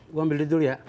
gua ambil dia dulu ya